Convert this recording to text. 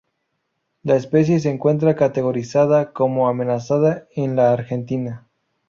La especie se encuentra categorizada como Amenazada en la Argentina.